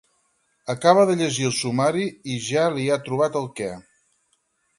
Acaba de llegir el sumari i ja li ha trobat el què.